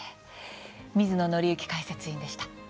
水野倫之解説委員でした。